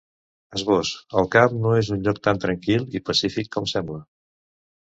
Esbós: El camp no és un lloc tan tranquil i pacífic com sembla.